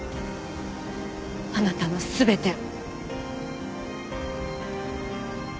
あなたの全てを。